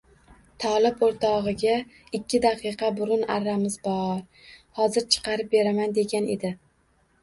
Tolib o‘rtog‘iga ikki daqiqa burun arramiz bor, hozir chiqarib beraman degan edi